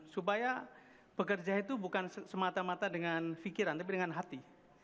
supaya pekerja itu bukan semata mata dengan pikiran tapi dengan hati